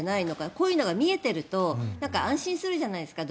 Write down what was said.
こういうのが見えていると安心するじゃないですか。